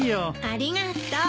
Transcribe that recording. ありがとう。